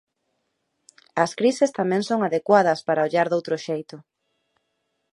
As crises tamén son adecuadas para ollar doutro xeito.